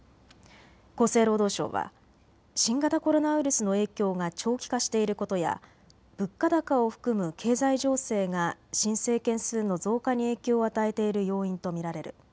厚生労働省は新型コロナウイルスの影響が長期化していることや物価高を含む経済情勢が申請件数の増加に影響を与えている要因と見られる。